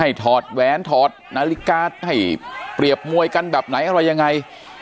ถอดแหวนถอดนาฬิกาให้เปรียบมวยกันแบบไหนอะไรยังไง